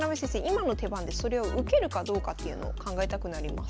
今の手番でそれを受けるかどうかっていうのを考えたくなります。